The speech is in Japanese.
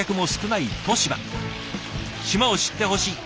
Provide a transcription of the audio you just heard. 島を知ってほしい。